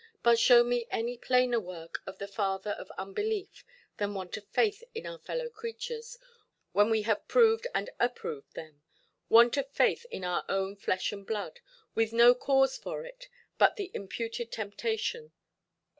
But show me any plainer work of the father of unbelief than want of faith in our fellow–creatures, when we have proved and approved them; want of faith in our own flesh and blood, with no cause for it but the imputed temptation.